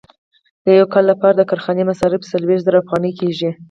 د یو کال لپاره د کارخانې مصارف څلوېښت زره افغانۍ کېږي